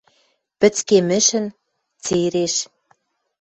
Пӹцкемӹшӹн, цереш